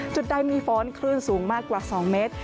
จุดใดมีฝนคลื่นสูงมากกว่า๒เมตร